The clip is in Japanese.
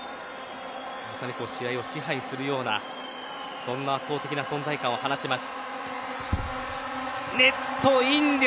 まさに試合を支配するようなそんな圧倒的な存在感を放ちます。